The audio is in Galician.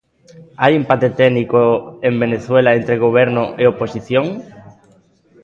Hai empate técnico en Venezuela entre goberno e oposición?